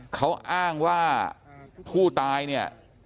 เขาอ้างว่าผู้ตายเนี่ย